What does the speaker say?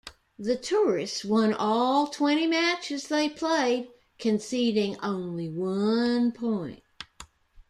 The tourists won all twenty matches they played, conceding only one point.